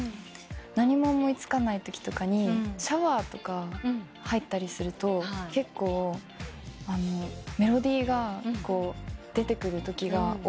何も思い付かないときとかにシャワーとか入ったりすると結構メロディーが出てくるときが多くて。